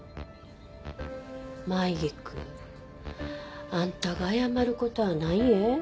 舞菊あんたが謝る事はないえ。